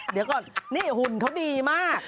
เดี๋ยวก่อนนี่หุ่นเขาดีมาก